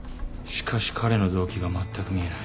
しかし彼の動機がまったく見えない。